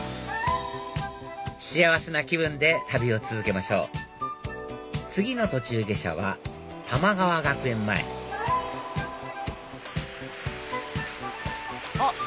幸せな気分で旅を続けましょう次の途中下車は玉川学園前あっ！